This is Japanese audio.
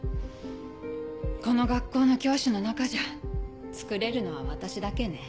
この学校の教師の中じゃ作れるのは私だけね。